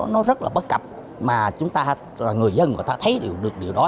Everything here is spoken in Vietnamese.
nó rất là bất cập mà chúng ta người dân người ta thấy được điều đó